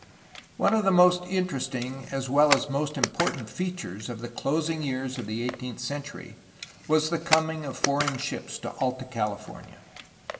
One of the most interesting as well as most important features of the closing years of the eighteenth century was the coming of foreign ships to Alta California.